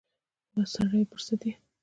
وا سړیه پر سد یې ؟